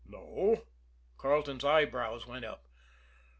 "No?" Carleton's eyebrows went up.